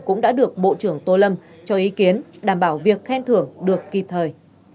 cũng đã được bộ trưởng tô lâm cho ý kiến đảm bảo việc khen thưởng được kịp thời